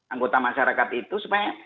anggota masyarakat itu supaya